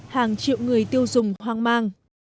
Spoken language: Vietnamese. hàng triệu người tiêu dùng hoang mang